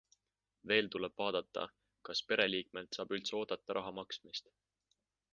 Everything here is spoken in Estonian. Veel tuleb vaadata, kas pereliikmelt saab üldse oodata raha maksmist.